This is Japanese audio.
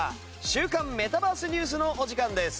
週刊メタバースＮＥＷＳのお時間です。